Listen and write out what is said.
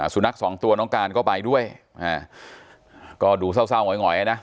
สุนัขสองตัวน้องการก็ไปด้วยก็ดูเศร้าหงอยนะ